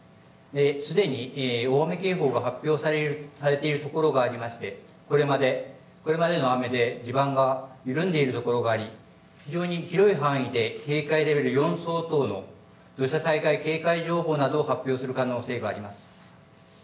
すでに大雨警報が発表されている所がありましてこれまでの雨で地盤が緩んでいる所があり非常に広い範囲で警戒レベル４相当の土砂災害警戒情報などを発表する可能性があります。